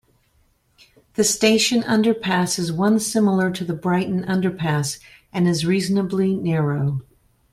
The station underpass is one similar to the Brighton underpass and is reasonably narrow.